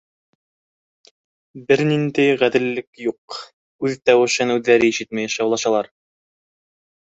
— Бер ниндәй ғәҙеллек юҡ, үҙ тауышын үҙҙәре ишетмәй шаулашалар.